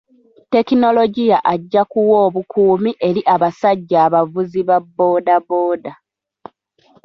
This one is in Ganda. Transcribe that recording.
Tekinologiya ajja kuwa obukuumi eri abasajja abavuzi ba booda booda.